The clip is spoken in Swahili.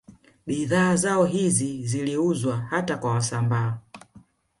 Bidhaa zao hizi ziliuzwa hata kwa Wasambaa